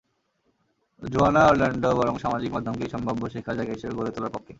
জোয়ানা Orlando বরং সামাজিক মাধ্যমকেই সম্ভাব্য শেখার জায়গা হিসেবে গড়ে তোলার পক্ষে।